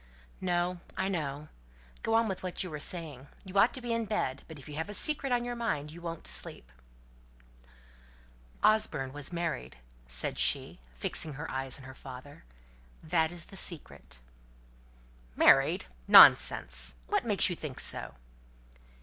"No. I know. Go on with what you were saying. You ought to be in bed; but if you've a secret on your mind you won't sleep." "Osborne was married," said she, fixing her eyes on her father. "That is the secret." "Married! Nonsense. What makes you think so?"